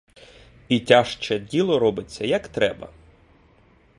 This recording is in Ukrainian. І тяжче діло робиться, як треба.